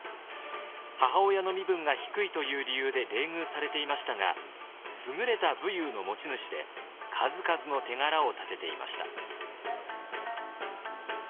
母親の身分が低いという理由で冷遇されていましたが優れた武勇の持ち主で数々の手柄を立てていました。